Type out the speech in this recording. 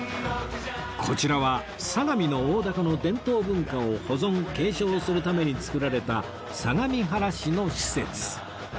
こちらは相模の大凧の伝統文化を保存継承するために作られた相模原市の施設